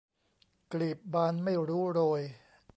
กลีบบานไม่รู้โรย